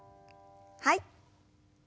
はい。